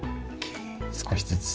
少しずつ。